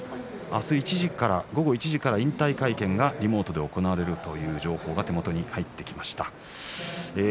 明日の１時から引退会見がリモートで行われるという情報が入ってきました。